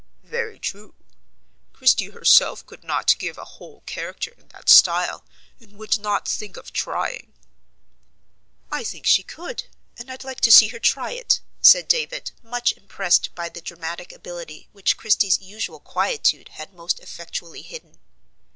"Very true: Christie herself could not give a whole character in that style, and would not think of trying." "I think she could; and I'd like to see her try it," said David, much impressed by the dramatic ability which Christie's usual quietude had most effectually hidden.